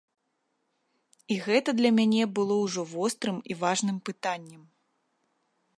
І гэта для мяне было ўжо вострым і важным пытаннем.